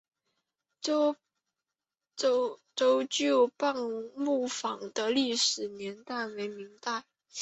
周旧邦木坊的历史年代为明代。